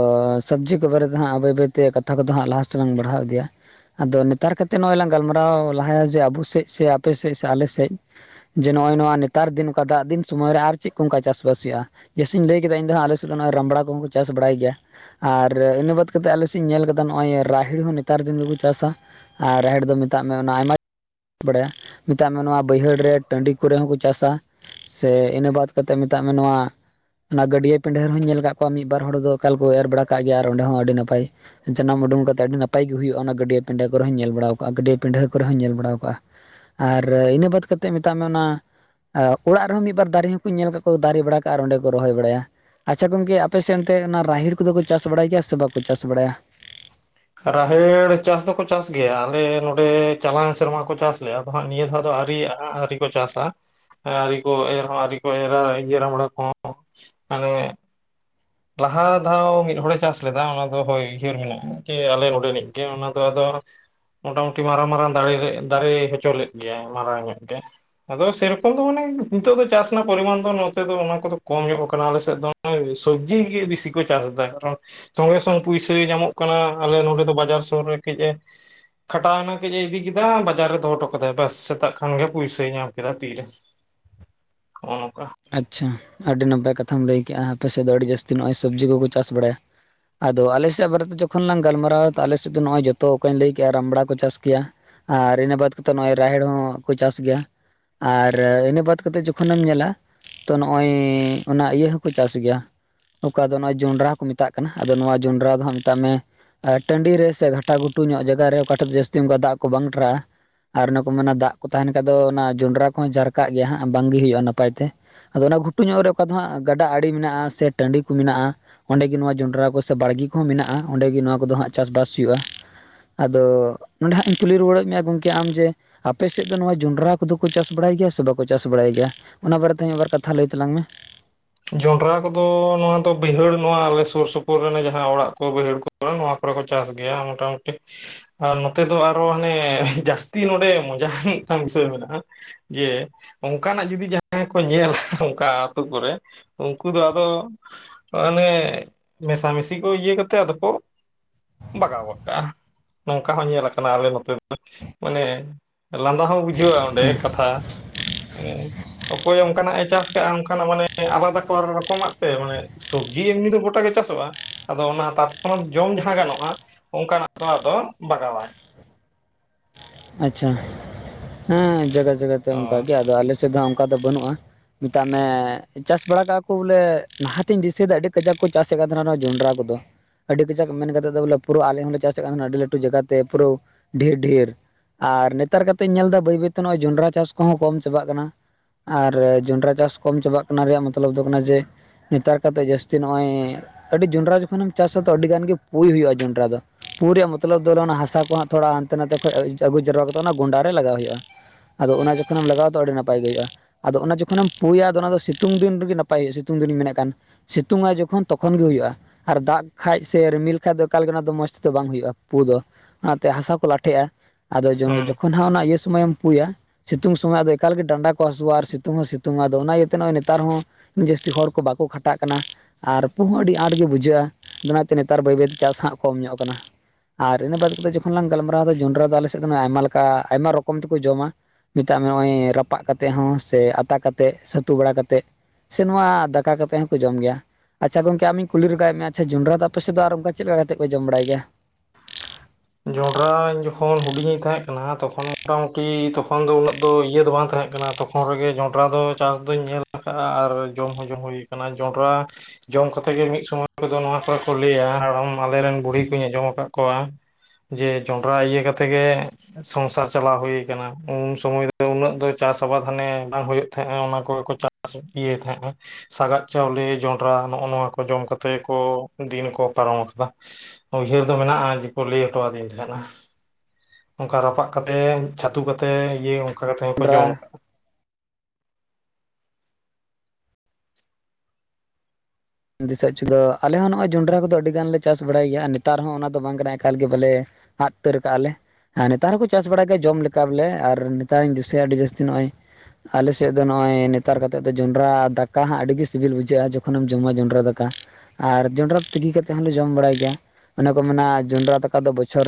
ᱥᱚᱵᱽᱡᱤ ᱠᱚ ᱵᱟᱨᱮ ᱛᱮᱦᱟᱸᱜ ᱵᱟᱹᱭ ᱵᱟᱹᱭᱛᱮ ᱠᱟᱛᱷᱟ ᱠᱚᱫᱚ ᱦᱟᱸᱜ ᱞᱟᱦᱟᱥᱮᱫ ᱞᱟᱝ ᱵᱟᱲᱦᱟᱣ ᱤᱫᱤᱭᱟ ᱾ ᱟᱫᱚ ᱱᱮᱛᱟᱨ ᱠᱟᱛᱮᱜ ᱱᱚᱜᱼᱚᱭ ᱞᱟᱝ ᱜᱟᱞᱢᱟᱨᱟᱣ ᱞᱟᱦᱟᱭᱟ᱾ ᱡᱮ ᱟᱵᱩ ᱥᱮᱡ ᱥᱮ ᱟᱯᱮᱥᱮᱫ ᱥᱮ ᱟᱞᱮᱥᱮᱡ ᱾ ᱡᱮ ᱱᱚᱜ ᱚᱭ ᱱᱚᱣᱟ ᱱᱮᱛᱟᱨ ᱫᱤᱱ ᱱᱚᱝᱠᱟ ᱫᱟᱜ ᱫᱤᱱ ᱥᱚᱢᱚᱭᱨᱮ ᱟᱨ, ᱪᱮᱫ ᱠᱚ ᱚᱱᱠᱟ ᱪᱟᱥᱵᱟᱥ ᱦᱩᱭᱩᱜᱼᱟ? ᱡᱟᱹᱥᱛᱮᱧ ᱞᱟᱹᱭ ᱠᱮᱫᱼᱟ ᱾ ᱤᱧ ᱫᱚ ᱦᱟᱜ ᱟᱞᱮᱫᱚ ᱨᱟᱢᱵᱲᱟ ᱠᱚᱼᱦᱚᱸ ᱠᱚ ᱪᱟᱥ ᱵᱟᱲᱟᱭ ᱜᱮᱭᱟ ᱾ ᱟᱨ ᱤᱱᱟᱹ ᱵᱟᱫ ᱠᱟᱛᱮᱫ ᱟᱞᱮ ᱥᱮᱫ ᱤᱧ ᱧᱮᱞ ᱟᱠᱟᱫᱟ ᱾ᱱᱚᱜᱼᱚᱭ ᱨᱟᱦᱮᱲ ᱦᱚᱸ ᱱᱮᱛᱟᱨ ᱫᱤᱱ ᱜᱮᱠᱚ ᱪᱟᱥᱟ ᱾ ᱟᱨ ᱨᱟᱦᱮᱲ ᱫᱚ ᱢᱮᱛᱟᱜ ᱢᱮ ᱚᱱᱟ ᱟᱭᱢᱟ ᱵᱟᱲᱟᱭᱟ ᱢᱮᱛᱟᱜ ᱢᱮ ᱱᱚᱣᱟᱼᱼ ᱵᱟᱹᱭᱦᱟᱹᱲ ᱨᱮ ᱴᱟᱺᱰᱤ ᱠᱚᱨᱮ ᱦᱚᱸᱠᱚ ᱪᱟᱥᱟ᱾ ᱥᱮ ᱤᱱᱟᱹ ᱵᱟᱫ ᱠᱟᱛᱮᱫ ᱢᱮᱛᱟᱜ ᱢᱮ ᱱᱚᱣᱟᱼᱼ ᱚᱱᱟ ᱜᱟᱹᱰᱭᱟᱹ ᱯᱤᱰᱟᱹ ᱨᱮ ᱦᱚᱧ ᱧᱮᱞ ᱚᱱᱟ ᱜᱟᱹᱰᱟᱹᱟᱹ ᱟᱹᱰᱤ ᱦᱚᱲ ᱧᱮᱞ ᱟᱠᱟᱫ ᱠᱚᱣᱟ ᱢᱤᱫ ᱵᱟᱨ ᱦᱚᱲ ᱫᱚ ᱮᱠᱟᱞ ᱠᱚ ᱮᱨ ᱵᱟᱲᱟ ᱠᱟᱜ ᱜᱮᱭᱟ ᱟᱨ ᱚᱸᱰᱮ ᱦᱚᱸ ᱟᱹᱰᱤ ᱱᱟᱯᱟᱭᱼᱼ ᱡᱟᱱᱟᱢ ᱩᱰᱩᱠ ᱠᱟ ᱠᱟᱛᱮᱜ ᱟᱹᱰᱤ ᱡᱟᱱᱟᱢ ᱚᱰᱳᱠ ᱠᱟᱛᱮ ᱦᱚᱸ ᱚᱸᱰᱮ ᱱᱟᱯᱟᱭ ᱜᱮ ᱦᱩᱭᱩᱜᱼᱟ ᱚᱱᱟᱹ ᱜᱟᱹᱰᱟᱹᱭᱟᱹᱯᱮᱰᱷᱟᱹ ᱠᱚᱨᱮ ᱦᱚᱸᱧ ᱧᱮᱞ ᱵᱟᱲᱟ ᱠᱟᱜᱼᱟ ᱜᱟᱹᱰᱟᱹ ᱯᱤᱰᱷᱟᱹ ᱠᱚᱨᱮᱼᱼ ᱦᱚᱸ ᱧᱮᱞᱲᱲᱟ ᱠᱟᱜᱼᱟ ᱟᱨ ᱤᱱᱟᱹ ᱵᱟᱫ ᱠᱟᱛᱮᱫ ᱢᱮᱛᱟᱜ ᱢᱮ ᱚᱱᱟᱼᱼ ᱚᱲᱟᱜ ᱨᱮ ᱦᱚᱸ ᱢᱤᱫ ᱵᱟᱨ ᱫᱟᱨᱮ ᱦᱚᱸᱠᱚ ᱧᱮᱞ ᱠᱟᱜ ᱠᱚ ᱫᱟᱨᱮ ᱵᱟᱲᱟ ᱠᱟᱜᱼᱟ᱾ ᱟᱨ ᱚᱸᱰᱮ ᱠᱚ ᱨᱚᱦᱚᱭ ᱵᱟᱲᱟᱭ-ᱟ ᱾ ᱟᱪᱪᱷᱟ ᱜᱚᱝᱠᱮ ᱟᱯᱮᱥᱮ ᱛᱮ ᱚᱱᱟ᱾ ᱨᱟᱦᱮᱦ ᱠᱚᱼᱫᱚ ᱠᱚ ᱪᱟᱥ ᱵᱟᱲᱟᱭ ᱜᱮᱭᱟ᱾ ᱥᱮ ᱵᱟᱠᱚ ᱪᱟᱥ ᱵᱟᱲᱟᱭᱟ? ᱨᱟᱦᱮᱲ ᱪᱟᱥ ᱫᱚᱠᱚ ᱪᱟᱥ ᱜᱮᱭᱟ ᱟᱞᱮ ᱱᱚᱸᱰᱮ ᱪᱟᱞᱟᱣᱮᱱ ᱥᱮᱨᱢᱟ ᱠᱚ ᱪᱟᱥ ᱞᱮᱜ-ᱟ᱾ ᱦᱟᱸᱜ ᱱᱤᱭᱟᱹ ᱫᱷᱟᱣ ᱫᱚ ᱟᱹᱣᱨᱤᱭᱟᱜ-ᱟ ᱦᱟᱸᱜ ᱟᱹᱣᱨᱤ ᱠᱚ ᱪᱟᱥᱟ᱾ ᱦᱮᱸ, ᱟᱣᱨᱤ ᱠᱚ ᱮᱨ ᱦᱚᱸ ᱟᱣᱨᱤ ᱠᱚ ᱮᱨᱟ ᱤᱭᱟᱹ ᱨᱟᱢᱲᱟ ᱠᱚᱦᱚᱸ ᱢᱟᱱᱮ ᱞᱟᱦᱟ ᱫᱷᱟᱣ ᱢᱤᱫ ᱦᱚᱲᱮ ᱪᱟᱥ ᱞᱮᱫᱟ ᱚᱱᱟ ᱫᱚ ᱦᱳᱭ ᱩᱭᱦᱟᱹᱨ ᱢᱮᱱᱟᱜ-ᱟ ᱡᱮ ᱟᱞᱮ ᱱᱚᱰᱮᱱᱤᱡ ᱜᱮ ᱚᱱᱟ ᱫᱚ ᱟᱫᱚ ᱢᱚᱴᱟᱟᱢᱩᱴᱤ ᱢᱟᱨᱟᱝ ᱢᱟᱨᱟᱝ ᱫᱟᱨᱮ, ᱫᱟᱨᱮ ᱦᱚᱪᱚ ᱞᱮᱫ ᱜᱮᱭᱟᱭ ᱢᱟᱨᱟᱝ ᱧᱚᱜ ᱜᱮ᱾ ᱟᱫᱚ ᱥᱮᱨᱚᱠᱚᱢ ᱫᱚ ᱢᱟᱱᱮ ᱱᱤᱛᱚᱜ ᱫᱚ ᱪᱟᱥ ᱨᱮᱱᱟᱜ ᱯᱚᱨᱤᱢᱟᱱ ᱫᱚ ᱱᱚᱛᱮ ᱫᱚ ᱚᱱᱟ ᱠᱚᱫᱚ ᱠᱚᱢ ᱧᱚᱜ ᱠᱟᱱᱟ ᱟᱞᱮ ᱥᱮᱫ ᱫᱚ [unintelligible] ᱥᱚᱵᱽᱡᱤ ᱜᱮ ᱵᱤᱥᱤ ᱠᱚ ᱪᱟᱥᱫᱟ, ᱟᱨᱚ ᱥᱚᱸᱜᱮ ᱥᱚᱝ ᱯᱩᱭᱥᱟᱹᱭ ᱧᱟᱢᱚᱜ ᱠᱟᱱᱟ ᱟᱞᱮ ᱱᱚᱸᱰᱮ ᱫᱚ ᱵᱟᱡᱟᱨ ᱥᱩᱨ ᱨᱮ ᱠᱟᱺᱡ-ᱮ ᱠᱷᱟᱴᱟᱣᱱᱟ ᱠᱟᱺᱡ-ᱮ ᱤᱫᱤ ᱠᱮᱫᱟ, ᱵᱟᱡᱟᱨ ᱨᱮ ᱫᱚᱦᱚ ᱦᱚᱴᱚ ᱠᱟᱫᱟ᱾ ᱵᱟᱥ, ᱥᱮᱛᱟᱜ ᱠᱷᱟᱱ ᱜᱮ ᱯᱩᱭᱥᱟᱹᱭ ᱧᱟᱢ ᱠᱮᱫᱟ ᱛᱤᱨᱮ᱾ [inaudible] ᱦᱚᱸᱜ-ᱚ ᱱᱚᱝᱠᱟ᱾ ᱟᱪᱪᱷᱟ, ᱟᱹᱰᱤ ᱱᱟᱯᱟᱭ ᱠᱟᱛᱷᱟᱢ ᱞᱟᱹᱭ ᱠᱮᱜ-ᱟ ᱟᱯᱮ ᱥᱮᱫ ᱫᱚ ᱟᱹᱰᱤ ᱡᱟᱹᱥᱛᱤ ᱱᱚᱜ-ᱚᱭ ᱥᱚᱵᱽᱡᱤ ᱠᱚᱠᱚ ᱪᱟᱥ ᱵᱟᱲᱟᱭᱟ᱾ ᱟᱫᱚ ᱟᱞᱮ ᱥᱮᱫ ᱵᱟᱨᱮᱛᱮ ᱡᱚᱠᱷᱚᱱ ᱞᱟᱝ ᱜᱟᱞᱢᱟᱨᱟᱣ, ᱛᱚ ᱟᱞᱮ ᱥᱮᱫ ᱫᱚ ᱱᱚᱜᱼᱚᱭ ᱡᱚᱛᱚ ᱚᱠᱟᱧ ᱞᱟᱹᱭ ᱠᱮᱜᱼᱟ ᱨᱟᱢᱵᱲᱟ ᱠᱚ ᱪᱟᱥ ᱜᱤᱭᱟ᱾ ᱟᱨ ᱤᱱᱟᱹ ᱵᱟᱫ ᱠᱟᱛᱮᱫ ᱱᱚᱜ-ᱚᱭ ᱨᱟᱦᱮᱲ ᱦᱚᱸᱠᱚ ᱪᱟᱥ ᱜᱮᱭᱟ᱾ ᱟᱨ ᱤᱱᱟᱹ ᱵᱟᱫ ᱠᱟᱛᱮᱫ ᱡᱚᱠᱷᱚᱱᱮᱢ ᱧᱮᱞᱟ ᱛᱚ, ᱱᱚᱜ-ᱚᱭ ᱚᱱᱟ ᱤᱭᱟᱹ ᱦᱚᱸᱠᱚ ᱪᱟᱥ ᱜᱮᱭᱟ᱾ ᱚᱠᱟ ᱫᱚ ᱱᱚᱜ-ᱚ ᱡᱚᱸᱰᱨᱟ ᱠᱚ ᱢᱮᱛᱟᱜ ᱠᱟᱱᱟ, ᱟᱫᱚ ᱱᱚᱣᱟ ᱡᱚᱸᱰᱨᱟ ᱫᱚ ᱦᱟᱸᱜ ᱢᱮᱛᱟᱜ ᱢᱮ ᱟᱨ ᱴᱟᱺᱰᱤ ᱨᱮ ᱥᱮ ᱜᱷᱟᱴᱟ ᱜᱷᱩᱴᱩ ᱧᱚᱜ ᱡᱟᱭᱜᱟ ᱨᱮ ᱚᱠᱟᱴᱷᱮᱱ ᱡᱟᱹᱥᱛᱤ ᱚᱝᱠᱟ ᱫᱟᱜ ᱠᱚ ᱵᱟᱝ ᱴᱟᱨᱦᱟᱜ-ᱟ᱾ ᱟᱨ ᱚᱱᱮ ᱠᱚ ᱢᱮᱱᱟ ᱫᱟᱜ ᱠᱚ ᱛᱟᱸᱦᱮᱱ ᱠᱷᱟᱡ ᱫᱚ, ᱚᱱᱟ ᱡᱚᱸᱰᱨᱟ ᱠᱚᱦᱚᱸ ᱡᱟᱨᱠᱟᱜ ᱜᱮᱭᱟ ᱦᱟᱸᱜ ᱵᱟᱝᱜᱮ ᱦᱩᱭᱩᱜ-ᱟ ᱱᱟᱯᱟᱭ ᱛᱮ᱾ ᱟᱫᱚ ᱚᱱᱟ ᱜᱷᱩᱴᱩ ᱧᱚᱜ ᱨᱮ ᱚᱠᱟ ᱫᱚ ᱦᱟᱸᱜ ᱜᱟᱰᱟ ᱟᱲᱮ ᱢᱮᱱᱟᱜ-ᱟ ᱥᱮ ᱴᱟᱺᱰᱤ ᱠᱚ ᱢᱮᱱᱟᱜ-ᱟ᱾ ᱚᱸᱰᱮ ᱜᱮ ᱱᱚᱣᱟ ᱡᱚᱸᱰᱨᱟ ᱠᱚ ᱥᱮ ᱵᱟᱲᱜᱮ ᱠᱚᱦᱚᱸ ᱢᱮᱱᱟᱜ-ᱟ ᱚᱸᱰᱮ ᱜᱮ ᱱᱚᱣᱟ ᱠᱚᱫᱚ ᱦᱟᱸᱜ ᱪᱟᱥᱵᱟᱥ ᱦᱩᱭᱩᱜ-ᱟ᱾ ᱟᱫᱚ ᱱᱚᱸᱰᱮ ᱦᱟᱸᱜ ᱤᱧ ᱠᱩᱞᱤ ᱨᱩᱣᱟᱹᱲᱮᱫ ᱢᱮᱭᱟ ᱜᱚᱢᱠᱮ ᱟᱢ ᱡᱮ ᱟᱯᱮ ᱥᱮᱫ ᱫᱚ ᱱᱚᱣᱟ ᱡᱚᱸᱰᱨᱟ ᱠᱚᱫᱚ ᱠᱚ ᱪᱟᱥ ᱵᱟᱲᱟᱭ ᱜᱮᱭᱟ ᱥᱮ ᱵᱟᱠᱚ ᱪᱟᱥ ᱵᱟᱲᱟᱭ ᱜᱮᱭᱟ ᱚᱱᱟ ᱵᱟᱨᱮ ᱛᱮ ᱢᱤᱫ ᱵᱟᱨ ᱠᱟᱛᱷᱟ ᱞᱟᱹᱭ ᱛᱟᱞᱟᱝ ᱢᱮ? ᱡᱚᱸᱰᱨᱟ ᱠᱚᱫᱚ ᱱᱚᱣᱟ ᱫᱚ ᱵᱟᱹᱭᱦᱟᱹᱲ ᱱᱚᱣᱟ ᱟᱞᱮ ᱥᱩᱨ ᱥᱩᱯᱩᱨ ᱨᱮᱱ ᱡᱟᱦᱟᱸ ᱚᱲᱟᱜ ᱠᱚ, ᱵᱟᱹᱭᱦᱟᱹᱲ ᱠᱚ ᱠᱚ ᱱᱚᱣᱟ ᱠᱚᱨᱮ ᱠᱚ ᱪᱟᱥ ᱜᱮᱭᱟ ᱢᱚᱴᱟᱢᱩᱴᱤ᱾ ᱟᱨ ᱱᱚᱛᱮ ᱫᱚ ᱟᱨᱚ ᱦᱟᱱᱮ ᱡᱟᱹᱥᱛᱤ ᱱᱚᱰᱮ ᱢᱚᱡᱟ ᱢᱤᱫᱴᱟᱱ ᱵᱤᱥᱚᱭ ᱢᱮᱱᱟᱜ-ᱟ᱾ ᱡᱮ ᱚᱝᱠᱟᱱᱟᱜ ᱡᱩᱫᱤ ᱡᱟᱦᱟᱸᱭ ᱠᱚ ᱧᱮᱞᱟ ᱚᱝᱠᱟ ᱟᱛᱩ ᱠᱚᱨᱮ ᱩᱝᱠᱩ ᱫᱚ ᱟᱫᱚ ᱚᱱᱮ ᱢᱮᱥᱟᱢᱤᱥᱤ ᱠᱚ ᱤᱭᱟᱹ ᱠᱟᱛᱮᱜ ᱟᱫᱚ ᱠᱚ ᱵᱟᱜᱟᱣ ᱜᱚᱫ ᱠᱟᱜ-ᱟ᱾ ᱱᱚᱝᱠᱟ ᱦᱚᱸ ᱧᱮᱞᱟᱠᱟᱱᱟ ᱟᱞᱮ ᱱᱚᱛᱮ ᱫᱚ, ᱢᱟᱱᱮ ᱞᱟᱸᱫᱟ ᱦᱚᱸ ᱦᱤᱡᱩᱜ-ᱟ ᱚᱸᱰᱮ ᱟᱪᱪᱷᱟ ᱠᱟᱛᱷᱟ, ᱦᱩᱸ ᱚᱠᱚᱭ ᱚᱝᱠᱟᱱᱟᱜ-ᱮ ᱪᱟᱥ ᱠᱟᱜ-ᱟ ᱚᱝᱠᱟᱱᱟᱜ ᱢᱟᱱᱮ ᱟᱞᱟᱫᱟ ᱠᱚ ᱨᱚᱠᱚᱢᱟᱜ ᱛᱮ ᱢᱟᱱᱮ ᱥᱚᱵᱡᱤ ᱮᱢᱱᱤ ᱫᱚ ᱜᱚᱴᱟ ᱜᱮ ᱪᱟᱥᱚᱜ-ᱟ᱾ ᱟᱫᱚ ᱚᱱᱟ ᱛᱟᱛᱠᱷᱚᱱᱟᱛ ᱡᱚᱢ ᱡᱟᱦᱟᱸ ᱜᱟᱱᱚᱜ-ᱟ ᱚᱝᱠᱟᱱᱟᱜ ᱫᱚ ᱟᱫᱚ ᱵᱟᱜᱟᱣᱟᱭ᱾ ᱟᱪᱷᱟ, ᱦᱮᱸ ᱡᱟᱜᱟ ᱡᱟᱜᱟ ᱛᱮ ᱦᱳᱭ ᱚᱝᱠᱟᱜᱮ ᱟᱫᱚ ᱟᱞᱮᱥᱮᱫ ᱫᱚ ᱦᱟᱸᱜ ᱚᱝᱠᱟ ᱫᱚ ᱵᱟᱹᱱᱩᱜ-ᱟ᱾ ᱢᱮᱛᱟᱜ ᱢᱮ ᱪᱟᱥ ᱵᱟᱲᱟ ᱠᱟᱜ-ᱟ ᱠᱚ ᱵᱚᱞᱮ ᱞᱟᱦᱟᱛᱤᱧ ᱫᱤᱥᱟᱹᱭᱫᱟ ᱟᱹᱰᱤ ᱠᱟᱡᱟᱠ ᱠᱚ ᱪᱟᱥᱮᱫ ᱠᱟᱱ ᱛᱟᱸᱦᱮᱱᱟ ᱚᱱᱟ ᱡᱚᱸᱰᱨᱟ ᱠᱚᱫᱚ᱾ ᱟᱹᱰᱤ ᱠᱟᱡᱟᱠ ᱢᱮᱱ ᱠᱟᱛᱮ ᱫᱚ ᱵᱚᱞᱮ ᱯᱩᱨᱟᱹ ᱟᱞᱮ ᱦᱚᱸᱞᱮ ᱪᱟᱥᱮᱫ ᱠᱟᱱ ᱛᱟᱦᱮᱱᱟ ᱟᱹᱰᱤ ᱞᱟᱹᱴᱩ ᱡᱟᱜᱟ ᱛᱮ ᱯᱩᱨᱟᱹ ᱰᱷᱮᱨ ᱰᱷᱮᱨ᱾ ᱟᱨ ᱱᱮᱛᱟᱨ ᱠᱟᱛᱮᱧ ᱧᱮᱞᱫᱟ ᱵᱟᱹᱭ ᱵᱟᱹᱭᱛᱮ ᱱᱚᱜ-ᱚᱭ ᱡᱚᱸᱰᱨᱟ ᱪᱟᱥ ᱠᱚᱦᱚᱸ ᱠᱚᱢ ᱪᱟᱵᱟᱜ ᱠᱟᱱᱟ᱾ ᱟᱨ ᱡᱚᱸᱰᱨᱟ ᱪᱟᱥ ᱠᱚᱢ ᱪᱟᱵᱟᱜ ᱠᱟᱱᱟ ᱨᱮᱭᱟᱜ ᱢᱚᱛᱞᱚᱵᱽ ᱫᱚ ᱠᱟᱱᱟ ᱡᱮ ᱱᱮᱛᱟᱨ ᱠᱟᱛᱮᱜ ᱡᱟᱹᱥᱛᱤ ᱱᱚᱜ-ᱚᱭ ᱟᱹᱰᱤ ᱡᱚᱸᱰᱨᱟ ᱡᱚᱠᱷᱚᱱᱮᱢ ᱪᱟᱥᱟ ᱛᱚ ᱟᱹᱰᱤ ᱜᱟᱱ ᱜᱮ ᱯᱩᱭ ᱦᱩᱭᱩᱜ-ᱟ ᱡᱚᱸᱰᱨᱟ ᱫᱚ᱾ ᱯᱩ ᱨᱮᱭᱟᱜ ᱢᱚᱛᱞᱚᱵᱽ ᱫᱚ ᱚᱱᱟ ᱦᱟᱥᱟ ᱠᱚ ᱦᱟᱸᱜ ᱛᱷᱚᱲᱟ ᱦᱟᱱᱛᱮ ᱱᱟᱛᱮ ᱠᱷᱚᱡ ᱟᱹᱜᱩ ᱡᱟᱨᱣᱟ ᱠᱟᱛᱮᱜ ᱚᱱᱟ ᱜᱚᱸᱰᱟ ᱨᱮ ᱞᱟᱜᱟᱣ ᱦᱩᱭᱩᱜ-ᱟ᱾ ᱟᱫᱚ ᱚᱱᱟ ᱡᱚᱠᱷᱚᱱᱮᱢ ᱞᱟᱜᱟᱣ ᱫᱚ ᱟᱹᱰᱤ ᱱᱟᱯᱟᱭ ᱜᱮ ᱦᱩᱭᱩᱜ-ᱟ᱾ ᱟᱫᱚ ᱚᱱᱟ ᱡᱚᱠᱷᱚᱱᱮᱢ ᱯᱩᱭᱟ ᱟᱫᱚ ᱚᱱᱟ ᱫᱚ ᱥᱤᱛᱩᱝ ᱫᱤᱱ ᱨᱮᱜᱮ ᱱᱟᱯᱟᱭ ᱦᱩᱭᱩᱜ-ᱟ ᱥᱤᱛᱩᱝ ᱫᱤᱱᱤᱧ ᱢᱮᱱᱮᱜ ᱠᱟᱱ᱾ ᱥᱤᱛᱩᱝᱟᱭ ᱡᱚᱠᱷᱚᱱ ᱛᱚᱠᱷᱚᱱ ᱜᱮ ᱦᱩᱭᱩᱜ-ᱟ᱾ ᱟᱨ ᱫᱟᱜ ᱠᱷᱟᱡᱽ ᱥᱮ ᱨᱤᱢᱤᱞ ᱠᱷᱟᱡᱽ ᱫᱚ ᱮᱠᱟᱞ ᱚᱱᱟ ᱫᱚ ᱢᱚᱸᱡᱽ ᱛᱮᱫᱚ ᱵᱟᱝ ᱦᱩᱭᱩᱜᱼᱟ, ᱯᱩᱸ ᱫᱚ ᱾ ᱚᱱᱟ ᱛᱮ ᱦᱟᱥᱟ ᱠᱚ ᱞᱟᱴᱷᱮᱜᱼᱟ᱾ ᱟᱫᱚ ᱦᱮᱸ ᱡᱚᱠᱷᱚᱱ ᱦᱟᱸᱜ ᱚᱱᱟ ᱤᱭᱟᱹ ᱥᱚᱢᱚᱭ ᱮᱢ ᱯᱩᱭᱟ ᱥᱤᱛᱩᱝ ᱥᱚᱢᱚᱭ ᱟᱫᱚ ᱮᱠᱟᱞᱜᱮ ᱰᱟᱸᱰᱟ ᱠᱚ ᱦᱟᱹᱥᱩᱜᱼᱟ ᱟᱨ ᱥᱤᱛᱩᱝ ᱦᱚᱸ ᱥᱤᱛᱩᱝᱼᱟ, ᱟᱫᱚ ᱚᱱᱟ ᱤᱭᱟᱹᱛᱮ ᱱᱚᱜᱚᱭ ᱱᱮᱛᱟᱨ ᱦᱚᱸ ᱡᱟᱹᱥᱛᱤ ᱦᱚᱲ ᱠᱚ ᱵᱟᱠᱚ ᱠᱷᱟᱹᱴᱟᱜ ᱠᱟᱱᱟ ᱾ ᱟᱨ ᱯᱩ ᱦᱚᱸ ᱟᱹᱰᱤ ᱟᱸᱴ ᱜᱮ ᱵᱩᱡᱷᱟᱹᱜᱼᱟ᱾ ᱚᱱᱟ ᱛᱮ ᱱᱮᱛᱟᱨ ᱵᱟᱹᱭ ᱵᱟᱹᱭ ᱛᱮ ᱪᱟᱥ ᱦᱟᱸᱜ ᱠᱚᱢ ᱧᱚᱜ ᱠᱟᱱᱟ ᱾ ᱟᱨ ᱤᱱᱟᱹ ᱵᱟᱫ ᱠᱟᱛᱮᱫ ᱡᱚᱠᱷᱚᱱ ᱞᱟᱝ ᱜᱟᱞᱢᱟᱨᱟᱣ ᱮᱫᱟ, ᱡᱚᱸᱰᱽᱨᱟ ᱫᱚ ᱟᱞᱮ ᱥᱮᱫ ᱫᱚ ᱟᱭᱢᱟ ᱞᱮᱠᱟ, ᱟᱭᱢᱟ ᱨᱚᱠᱚᱢ ᱛᱮᱠᱚ ᱡᱚᱢᱟ ᱾ ᱢᱮᱛᱟᱜ ᱢᱮ ᱱᱚᱜᱼᱚᱭ ᱨᱟᱯᱟᱜ ᱠᱟᱛᱮᱫ ᱦᱚᱸ ᱥᱮ ᱟᱛᱟ ᱠᱟᱛᱮᱫ ᱪᱷᱟᱹᱛᱩ ᱵᱟᱲᱟ ᱠᱟᱛᱮᱫ ᱥᱮ ᱱᱚᱣᱟ ᱫᱟᱠᱟ ᱠᱟᱛᱮᱫ ᱦᱚᱸᱠᱚ ᱡᱚᱢ ᱜᱮᱭᱟ ᱾ ᱟᱪᱪᱷᱟ ᱜᱚᱝᱠᱮ ᱟᱢᱤᱧ ᱠᱩᱞᱤ ᱞᱮᱜᱟᱭᱮᱫ ᱢᱮᱭᱟ, ᱟᱪᱪᱷᱟ ᱡᱚᱸᱰᱽᱨᱟ ᱫᱚ ᱟᱯᱮ ᱥᱮᱫ ᱫᱚ ᱟᱨ ᱚᱱᱠᱟ ᱪᱮᱫ ᱞᱮᱠᱟ ᱠᱟᱛᱮ ᱠᱚ ᱡᱚᱢ ᱵᱟᱲᱟᱭ ᱜᱮᱭᱟ? ᱡᱚᱱᱰᱨᱟ ᱤᱧ ᱡᱚᱠᱷᱚᱱ ᱦᱩᱰᱤᱧ ᱤᱧ ᱛᱟᱦᱮᱸ ᱠᱟᱱᱟ ᱛᱚᱠᱷᱚᱱ ᱢᱚᱴᱟᱢᱩᱴᱤ ᱛᱚᱠᱷᱚᱱ ᱫᱚ ᱩᱱᱟᱹᱜ ᱫᱚ ᱤᱭᱟᱹ ᱫᱚ ᱵᱟᱝ ᱛᱟᱦᱮᱸ ᱠᱟᱱᱟ᱾ ᱛᱚᱠᱷᱚᱱ ᱨᱮᱜᱮ ᱡᱚᱸᱰᱽᱨᱟ ᱫᱚ ᱪᱟᱥ ᱫᱚᱧ ᱧᱮᱞ ᱟᱠᱟᱜᱼᱟ ᱟᱨ ᱡᱚᱢ ᱦᱚᱸ ᱡᱚᱢ ᱦᱩᱭ ᱟᱠᱟᱱᱟ᱾ ᱡᱚᱸᱰᱨᱟ ᱡᱚᱢ ᱠᱟᱛᱮᱜ ᱜᱮ ᱢᱤᱫ ᱥᱚᱢᱚᱭ ᱠᱚᱫᱚ ᱱᱚᱣᱟ ᱠᱚᱨᱮ ᱠᱚ ᱞᱟᱹᱭᱟ ᱦᱟᱲᱟᱢ ᱟᱞᱮᱨᱮᱱ ᱵᱩᱲᱦᱤ ᱠᱚᱧ ᱟᱸᱡᱚᱢ ᱟᱠᱟᱫ ᱠᱚᱣᱟ᱾ ᱡᱮ ᱡᱚᱱᱰᱨᱟᱹ ᱤᱭᱟᱹ ᱠᱟᱛᱮᱜ ᱜᱮ ᱥᱚᱝᱥᱟᱨ ᱪᱟᱞᱟᱣ ᱦᱩᱭᱠᱟᱱᱟ᱾ ᱩᱱ ᱥᱩᱢᱟᱹᱭ ᱫᱚ ᱩᱱᱟᱹᱜ ᱫᱚ ᱪᱟᱥ ᱟᱵᱟᱫ ᱦᱟᱱᱮ ᱵᱟᱝ ᱦᱩᱭᱩᱜ ᱛᱟᱦᱮᱸᱜᱼᱟ᱾ ᱚᱱᱟ ᱠᱚ ᱪᱟᱥ ᱤᱭᱟᱹ ᱛᱟᱦᱮᱸ ᱥᱟᱜᱟᱫ ᱪᱟᱣᱞᱮ ᱡᱚᱱᱰᱨᱟ ᱱᱚᱜᱼᱚᱭ ᱱᱚᱣᱟ ᱠᱚ ᱡᱚᱢ ᱠᱟᱛᱮᱜ ᱠᱚ ᱫᱤᱱ ᱠᱚ ᱯᱟᱨᱚᱢ ᱟᱠᱟᱫᱟ ᱾ ᱩᱭᱦᱟᱹᱨ ᱫᱚ ᱢᱮᱱᱟᱜᱼᱟ᱾ ᱠᱚ ᱞᱟᱹᱭ ᱦᱚᱴᱚᱣᱟᱫᱤᱧ ᱛᱟᱦᱮᱱᱟ᱾ ᱚᱱᱠᱟ ᱨᱟᱯᱟᱜ ᱠᱟᱛᱮ ᱪᱷᱟᱹᱛᱩ ᱠᱟᱛᱮ ᱤᱭᱟᱹ ᱚᱱᱠᱟ ᱠᱟᱛᱷᱟ ᱦᱚᱸ ᱠᱚ ᱡᱚᱱᱰᱨᱟ ᱡᱚᱢ ᱟᱠᱟᱜᱼᱟ᱾ ᱫᱤᱥᱟᱹ ᱦᱚᱪᱚ ᱫᱚ ᱟᱞᱮ ᱦᱚᱸ ᱱᱚᱜᱼᱚᱭ ᱡᱚᱸᱰᱨᱟ ᱠᱚᱫᱚ ᱟᱹᱰᱤ ᱜᱟᱱ ᱞᱮ ᱪᱟᱥ ᱵᱟᱲᱟᱭ ᱜᱮᱭᱟ ᱟᱨ ᱱᱮᱛᱟᱨ ᱦᱚᱸ ᱚᱱᱟ ᱫᱚ ᱵᱟᱝ ᱠᱟᱱᱟ᱾ ᱮᱠᱟᱞ ᱜᱮ ᱵᱟᱞᱮ ᱟᱫ ᱩᱛᱟᱹᱨ ᱠᱟᱜᱼᱟᱞᱮ ᱦᱮᱸ ᱱᱮᱛᱟᱨ ᱦᱚᱸᱠᱚ ᱪᱟᱥ ᱵᱟᱲᱟᱭ ᱜᱮᱭᱟ, ᱡᱚᱢ ᱞᱮᱠᱟ ᱵᱚᱞᱮ ᱟᱨ ᱱᱮᱛᱟᱨᱤᱧ ᱫᱤᱥᱟᱹᱭᱟ ᱟᱹᱰᱤ ᱡᱟᱹᱥᱛᱤ ᱱᱚᱜᱼᱚᱭ ᱟᱞᱮᱥᱮᱫ ᱫᱚ ᱱᱚᱜᱼᱚᱭ ᱱᱮᱛᱟᱨ ᱠᱟᱛᱮᱜ ᱫᱚ ᱡᱚᱸᱰᱨᱟ ᱫᱟᱠᱟ ᱦᱟᱸᱜ ᱟᱹᱰᱤ ᱜᱮ ᱥᱤᱵᱤᱞ ᱵᱩᱡᱷᱟᱹᱜᱼᱟ᱾ ᱡᱚᱠᱷᱚᱱᱮᱢ ᱡᱚᱢᱟ ᱡᱚᱸᱰᱨᱟ ᱫᱟᱠᱟ᱾ ᱟᱨ ᱡᱚᱸᱰᱨᱟ ᱛᱤᱠᱤ ᱠᱟᱛᱮᱫ ᱦᱚᱸᱞᱮ ᱡᱚᱢ ᱵᱟᱲᱟᱭ ᱜᱮᱭᱟ᱾ ᱚᱱᱮ ᱠᱚ ᱢᱮᱱᱟ ᱡᱚᱱᱰᱨᱟ ᱫᱟᱠᱟ ᱫᱚ ᱵᱚᱪᱷᱚᱨ